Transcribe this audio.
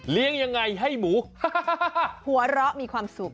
ยังไงให้หมูหัวเราะมีความสุข